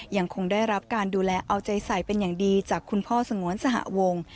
ยังคงได้รับการดูแลเอาใจใส่เป็นอย่างดีจากคุณพ่อสงวนสหวง